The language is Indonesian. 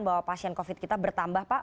bahwa pasien covid kita bertambah pak